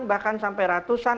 bahkan sampai ratusan